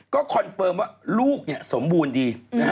ก็คอนเฟิร์มว่าลูกสมบูรณ์ดี